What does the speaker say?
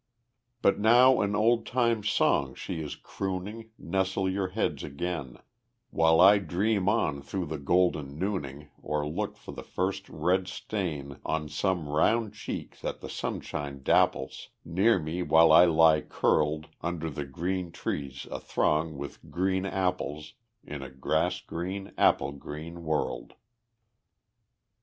But now an old time song she is crooning, Nestle your heads again, While I dream on through the golden nooning, Or look for the first red stain On some round cheek that the sunshine dapples, Near me where I lie curled Under green trees athrong with green apples, In a grass green, apple green world.